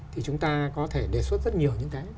thì chúng ta có thể đề xuất rất nhiều những cái